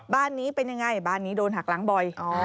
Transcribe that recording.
บ้านนี้เป็นยังไงบ้านนี้โดนหักหลังบ่อย